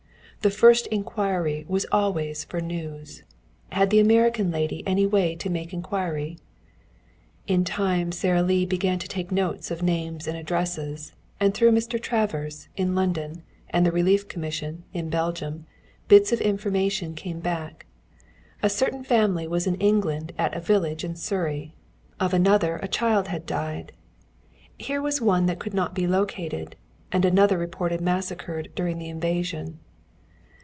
The first inquiry was always for news. Had the American lady any way to make inquiry? In time Sara Lee began to take notes of names and addresses, and through Mr. Travers, in London, and the Relief Commission, in Belgium, bits of information came back. A certain family was in England at a village in Surrey. Of another a child had died. Here was one that could not be located, and another reported massacred during the invasion.